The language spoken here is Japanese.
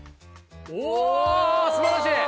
おぉ素晴らしい！